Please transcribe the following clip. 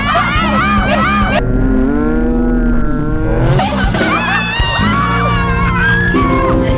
เริ่ม